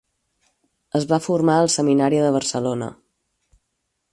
Es va formar al seminari de Barcelona.